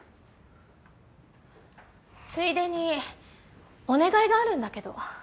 ついでにお願いがあるんだけど。